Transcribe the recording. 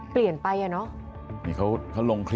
เปลี่ยนไป